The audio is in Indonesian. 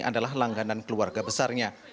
adalah langganan keluarga besarnya